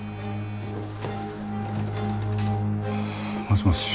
もしもし。